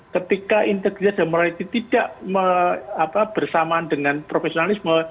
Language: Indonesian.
ketika integritas dan morality tidak bersamaan dengan profesionalisme